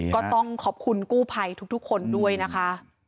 ก็ต้องขอบคุณกู้ภัยทุกคนด้วยนะคะ